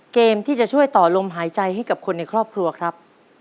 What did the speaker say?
เกมที่จะช่วยต่อลมหายใจให้กับคนในครอบครัวครับ